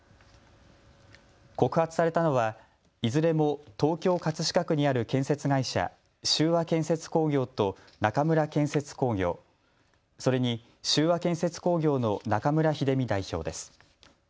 告発されたのはいずれも東京葛飾区にある建設会社、秀和建設工業と中村建設工業、それに秀和建設工業の中村秀美代表です。